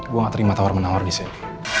gue gak terima tawar menawar disini